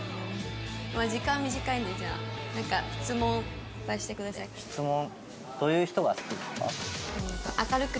時間短いのでじゃあなんか質問いっぱいしてください。質問。